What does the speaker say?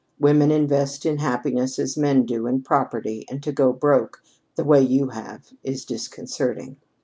Women invest in happiness as men do in property, and to 'go broke' the way you have is disconcerting.